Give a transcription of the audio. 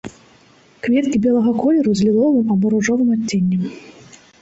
Кветкі белага колеру з ліловым або ружовым адценнем.